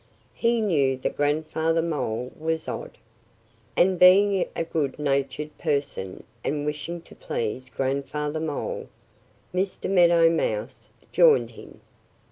He knew that Grandfather Mole was odd. And being a good natured person and wishing to please Grandfather Mole, Mr. Meadow Mouse joined him.